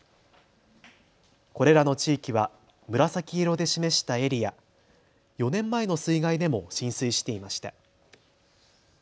これらの地域は紫色で示したエリア、４年前の水害でも浸水していました。